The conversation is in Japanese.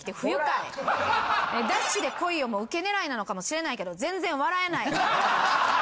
「ダッシュで来いよもウケ狙いなのかもしれないけど全然笑えない」。